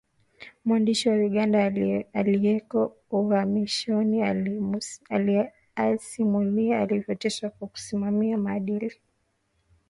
Mwandishi wa Uganda aliyeko uhamishoni asimulia alivyoteswa kwa kusimamia maadili